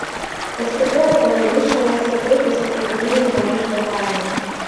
Паступова павялічвалася колькасць сутыкненняў паміж бакамі.